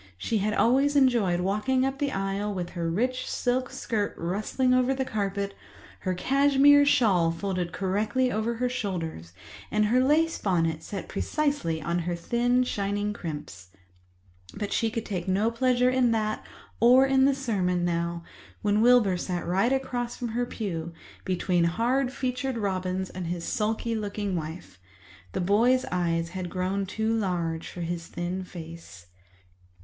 She had always enjoyed walking up the aisle with her rich silk skirt rustling over the carpet, her cashmere shawl folded correctly over her shoulders, and her lace bonnet set precisely on her thin shining crimps. But she could take no pleasure in that or in the sermon now, when Wilbur sat right across from her pew, between hard featured Robins and his sulky looking wife. The boy's eyes had grown too large for his thin face.